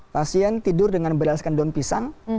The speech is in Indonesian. pasien tidur dengan beras kandung pisang